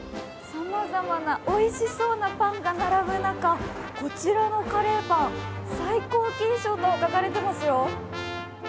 さまざまなおいしそうなパンが並ぶ中、こちらのカレーパン、最高金賞と書かれていますよ。